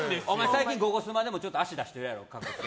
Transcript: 最近「ゴゴスマ」でも足、出してるやろ。